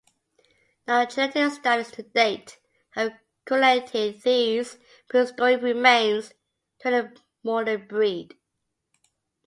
No genetic studies to date have correlated these prehistoric remains to any modern breed.